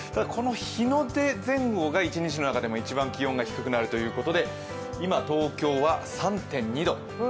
日の出前後が一日の中でも一番気温が低くなるということで今、東京は３．２度。